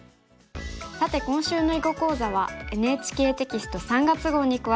さて今週の囲碁講座はＮＨＫテキスト３月号に詳しく載っています。